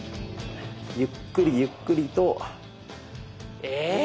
ゆっくりゆっくりと。え！